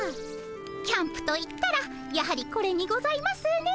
キャンプと言ったらやはりこれにございますね。